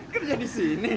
kerja di sini